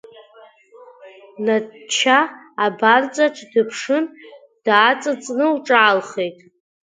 Надшьа абарҵаҿ дыԥшын, дааҵыҵны лҿаалхеит.